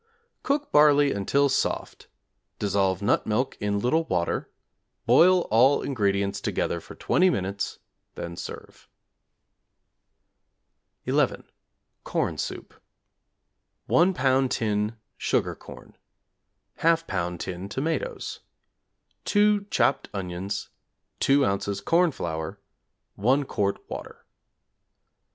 Cook barley until soft; dissolve nut milk in little water; boil all ingredients together for 20 minutes, then serve. =11. Corn Soup= 1 lb. tin sugar corn, 1/2 lb. tin tomatoes, 2 chopped onions, 2 ozs. corn flour, 1 quart water.